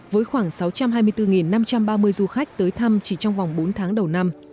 với khoảng sáu trăm hai mươi bốn năm trăm ba mươi du khách tới thăm chỉ trong vòng bốn tháng đầu năm